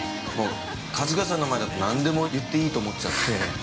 ◆春日さんの前では何でも言っていいと思っちゃって。